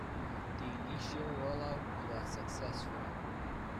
The initial rollout was successful.